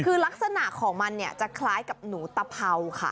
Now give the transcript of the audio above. คือลักษณะของมันเนี่ยจะคล้ายกับหนูตะเพราค่ะ